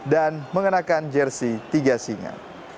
dan mengenakan jersi tiga singa